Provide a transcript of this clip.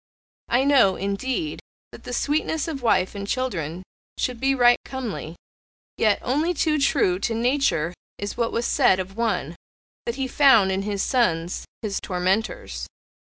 I know, indeed, that the sweetness of wife and children should be right comely, yet only too true to nature is what was said of one that he found in his sons his tormentors.